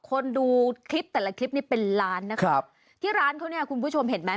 คนดูคลิปแต่ละคลิปนี้เป็นล้านนะครับที่ร้านเขาเนี่ยคุณผู้ชมเห็นไหม